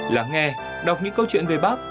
lắng nghe đọc những câu chuyện về bắc